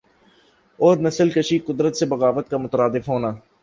اور نسل کشی قدرت سے بغاوت کا مترادف ہونا